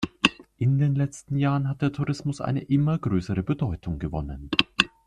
In den letzten Jahren hat der Tourismus eine immer größere Bedeutung gewonnen.